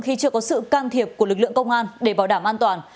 khi chưa có sự can thiệp của lực lượng công an để bảo đảm an toàn